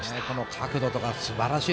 角度とか、すばらしい。